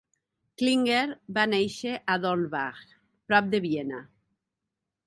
Klinger va néixer a Dornbach, prop de Viena.